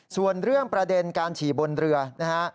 ส่วนเรื่องประเด็นการฉี่บนเรือนะฮะ